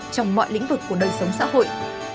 trong mọi lĩnh vực của nơi sống xã hội